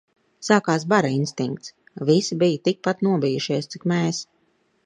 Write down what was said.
Sākās bara instinkts. Visi bija tik pat nobijušies, cik mēs.